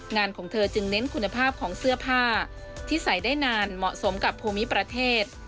งานของเธอจึงเน้นคุณภาพของเสื้อผ้าที่ใส่ได้นานเหมาะสมกับภูมิประเทศ